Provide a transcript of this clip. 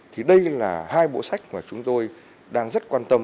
thì đây là hai bộ sách mà chúng tôi đang rất quan tâm